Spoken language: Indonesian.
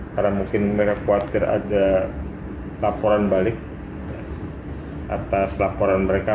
karena mungkin mereka khawatir ada laporan balik atas laporan mereka pun